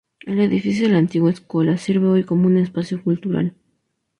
El edificio de la antigua escuela sirve hoy como un espacio cultural.